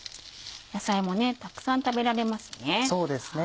野菜もたくさん食べられますね。